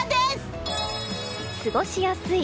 過ごしやすい。